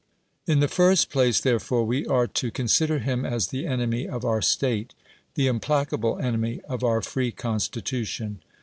In the first place, therefore, we are to con sider him as the enemy of our state, the impla cable enemy of our free constitution.